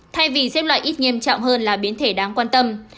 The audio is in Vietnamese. thay vì xếp loại ít nghiêm trọng hơn là biến thể đáng quan tâm